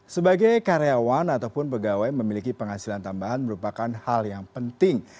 sebagai karyawan ataupun pegawai memiliki penghasilan tambahan merupakan hal yang penting